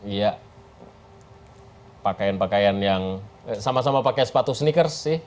iya pakaian pakaian yang sama sama pakai sepatu sneakers sih